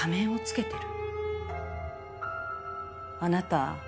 あなた